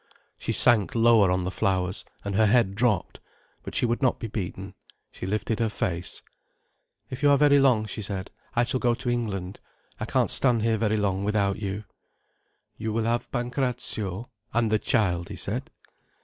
She sank lower on the flowers, and her head dropped. But she would not be beaten. She lifted her face. "If you are very long," she said, "I shall go to England. I can't stay here very long without you." "You will have Pancrazio—and the child," he said.